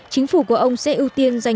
chính phủ của ông sẽ ưu tiên giành